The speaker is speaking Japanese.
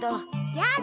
やだ